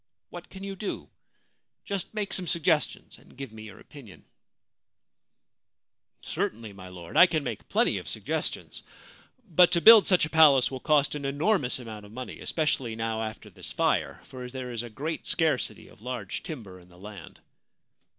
What can you do ? Just make some suggestions and give me your opinion/ * Certainly, my Lord, I can make plenty of suggestions ; but to build such a palace will cost an enormous amount of money, especially now after this fire, for there is a great scarcity of large timber in the land.'